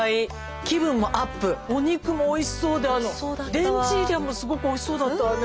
レンチーリャもすごくおいしそうだったわね。